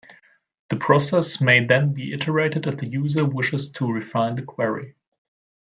The process may then be iterated if the user wishes to refine the query.